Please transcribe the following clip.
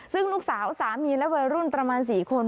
ซึ่งลูกสาวสามีและวัยรุ่นประมาณ๔คน